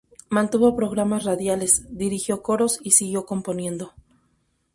Mantuvo programas radiales, dirigió coros y siguió componiendo.